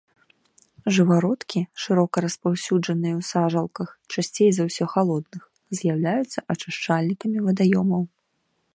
Жывародкі шырока распаўсюджаныя ў сажалках, часцей за ўсё халодных, з'яўляюцца ачышчальнікамі вадаёмаў.